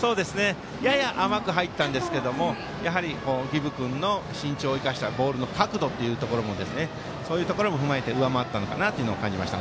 やや甘く入ったんですけど儀部君の身長を生かしたボールの角度そういうところも踏まえて上回ったのかなと感じました。